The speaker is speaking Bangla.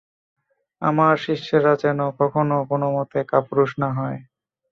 আমার শিষ্যেরা যেন কখনও কোনমতে কাপুরুষ না হয়।